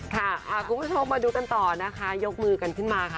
คุณผู้ชมมาดูกันต่อนะคะยกมือกันขึ้นมาค่ะ